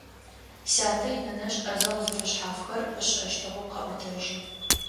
Сятэ инэнэжъ ӏэзэгъу зэфэшъхьафхэр ышӏэщтыгъэу къаӏотэжьы.